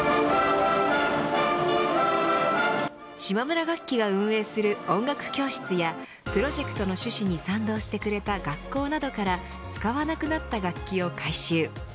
島村楽器が運営する音楽教室やプロジェクトの趣旨に賛同してくれた学校などから使わなくなった楽器を回収。